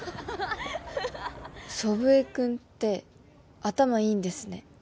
祖父江君って頭いいんですね